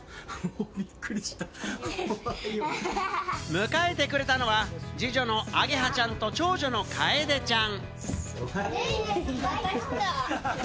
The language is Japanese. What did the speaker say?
迎えてくれたのは、二女のあげはちゃんと長女のかえでちゃん。